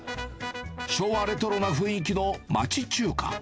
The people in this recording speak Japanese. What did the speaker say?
昭和レトロな雰囲気の町中華。